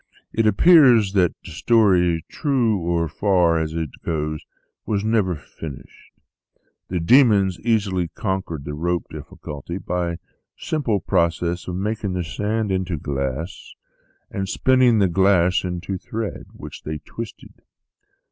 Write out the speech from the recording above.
It appears that the story, true as far as it goes, was never finished. The demons easily conquered the rope difficulty, by the simple process of making the sand into glass, and THE SEVEN FOLLIES OF SCIENCE 7 spinning the glass into thread which they twisted.